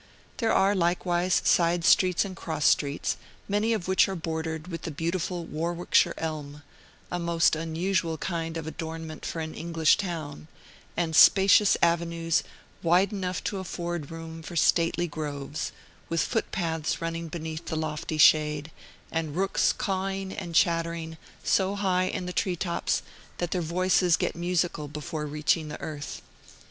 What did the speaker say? There are likewise side streets and cross streets, many of which are bordered with the beautiful Warwickshire elm, a most unusual kind of adornment for an English town; and spacious avenues, wide enough to afford room for stately groves, with foot paths running beneath the lofty shade, and rooks cawing and chattering so high in the tree tops that their voices get musical before reaching the earth.